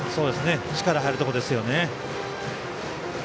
力が入るところですよね。